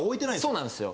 そうなんですよ。